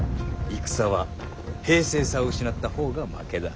戦は平静さを失った方が負けだ。